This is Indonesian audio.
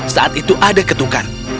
saat itu ada ketukan